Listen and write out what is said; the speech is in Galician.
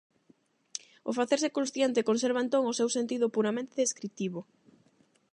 O facerse consciente conserva entón o seu sentido puramente descritivo.